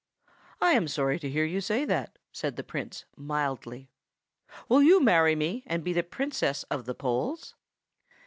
"I am sorry to hear you say that," said the Prince, mildly. "Will you marry me, and be Princess of the Poles?"